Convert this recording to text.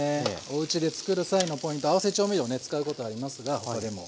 おうちで作る際のポイント合わせ調味料をね使うことありますがここでも。